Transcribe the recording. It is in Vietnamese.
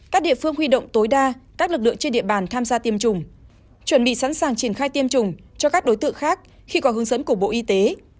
các địa phương huy động tối đa các lực lượng trên địa bàn tham gia tiêm chủng chuẩn bị sẵn sàng triển khai tiêm chủng cho các đối tượng khác khi có hướng dẫn của bộ y tế